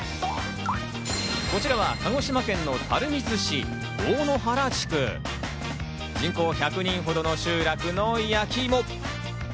こちらは鹿児島県の垂水市大野原地区、人口１００人ほどの集落の焼きいも。